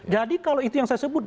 jadi kalau itu yang saya sebut